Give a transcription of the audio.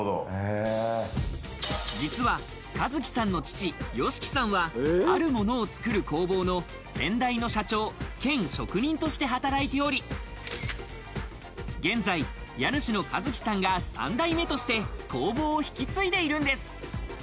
実は一騎さんの父・良樹さんは、あるものを作る工房の先代の社長兼職人として働いており、現在、家主の一騎さんが３代目として工房を引き継いでいるんです。